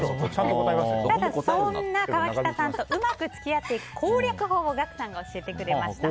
そんな川北さんとうまく付き合っていく攻略法をガクさんが教えてくれました。